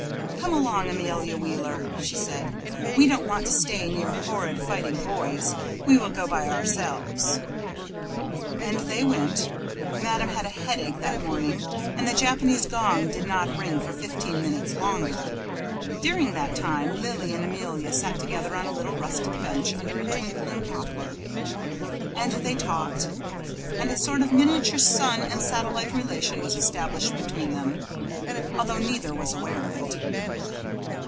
"Come along, Amelia Wheeler," said she. "We don't want to stay near horrid, fighting boys. We will go by ourselves." And they went. Madame had a headache that morning, and the Japanese gong did not ring for fifteen minutes longer. During that time Lily and Amelia sat together on a little rustic bench under a twinkling poplar, and they talked, and a sort of miniature sun and satellite relation was established between them, although neither was aware of it.